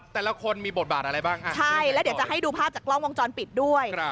แต่ละคนมีบทบาทอะไรบ้างใช่แล้วเดี๋ยวจะให้ดูภาพจากกล้องวงจรปิดด้วย